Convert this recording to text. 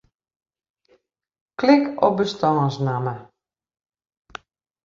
Klik op bestânsnamme.